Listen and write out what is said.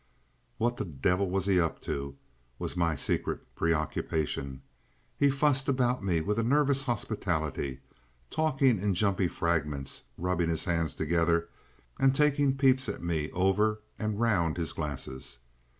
What the devil was he up to, was my secret preoccupation. He fussed about me with a nervous hospitality, talking in jumpy fragments, rubbing his hands together, and taking peeps at me over and round his glasses.